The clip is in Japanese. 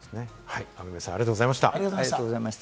雨宮さん、ありがとうございました。